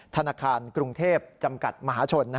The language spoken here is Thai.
ธนาคารกรุงเทพจำกัดมหาชน